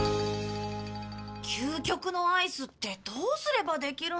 究極のアイスってどうすればできるんだろう。